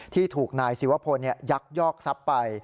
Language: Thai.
ที่ถูกนายศิวพลยักยอกทรัพย์ไป